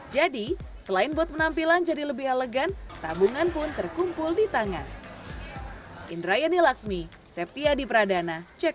selain buat penampilan jadi lebih elegan tabungan pun terkumpul di tangan